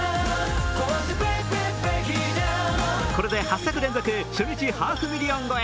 これで８作連続、初日ハーフミリオン超え